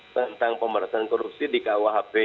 tentang pemberantasan korupsi di kuhp